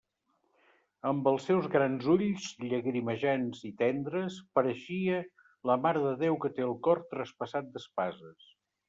Amb els seus grans ulls llagrimejants i tendres, pareixia la Mare de Déu que té el cor traspassat d'espases.